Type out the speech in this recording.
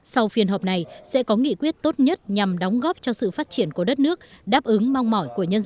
sau phiên họp này sẽ có nghị quyết tốt nhất nhằm đóng góp cho sự phát triển của đất nước đáp ứng mong mỏi của nhân dân